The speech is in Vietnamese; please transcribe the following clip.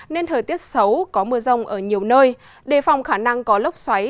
nên thời tiết xấu có mưa rông ở nhiều nơi đề phòng khả năng có lốc xoáy